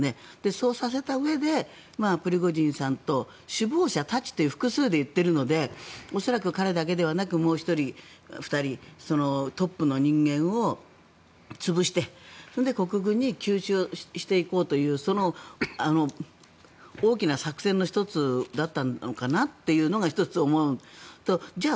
そうさせたうえでプリゴジンさんと首謀者たちと複数で言っているので恐らく彼だけではなくもう１人、２人トップの人間を潰して国軍に吸収していこうというその大きな作戦の１つだったのかなというのが１つ、思うのとじゃあ